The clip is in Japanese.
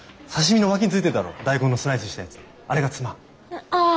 ああ。